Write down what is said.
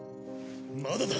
まだだ！